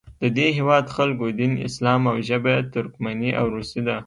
د دې هیواد خلکو دین اسلام او ژبه یې ترکمني او روسي ده.